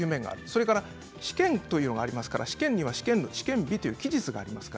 それから試験というのがありますから、試験は試験日という期日があります。